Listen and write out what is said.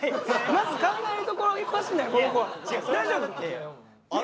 まず考えるところおかしない？